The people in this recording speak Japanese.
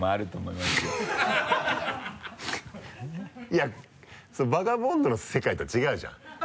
いや「バガボンド」の世界と違うじゃん。